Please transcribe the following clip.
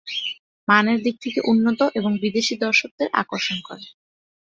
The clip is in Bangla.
মানের দিক থেকে উন্নত এবং বিদেশী দর্শকদের আকর্ষণ করে।